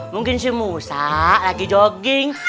mungkin si usah lagi jogging